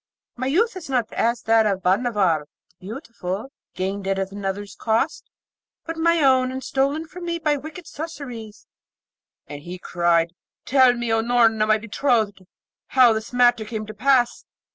My youth is not as that of Bhanavar the Beautiful, gained at another's cost, but my own, and stolen from me by wicked sorceries.' And he cried, 'Tell me, O Noorna, my betrothed, how this matter came to pass?'